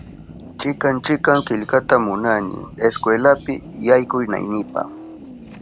Chikan chikan killkata munani iskwelapi yaykunaynipa